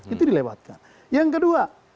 itu dilewatkan yang kedua